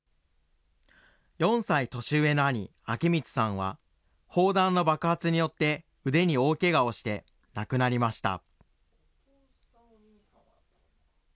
４歳年上の兄、章光さんは、砲弾の爆発によって腕に大けがをして亡くなりました。